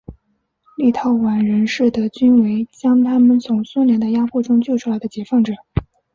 立陶宛人视德军为将他们从苏联的压迫中救出来的解放者。